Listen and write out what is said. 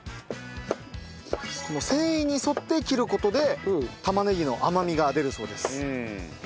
繊維に沿って切る事で玉ねぎの甘みが出るそうです。